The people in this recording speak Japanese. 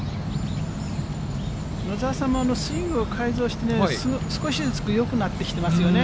野澤さんも、スイングを改造して、少しずつよくなってきてますよね。